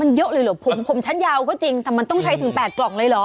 มันเยอะเลยเหรอผมชั้นยาวก็จริงแต่มันต้องใช้ถึง๘กล่องเลยเหรอ